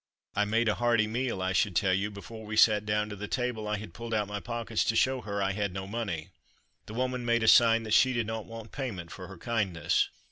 I made a hearty meal. I should tell you, before we sat down to the table I had pulled out my pockets to show her I had no money. The woman made a sign that she did not want payment for her kindness.